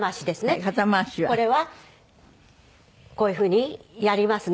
これはこういうふうにやりますね。